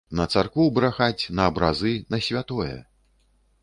На царкву брахаць, на абразы, на святое.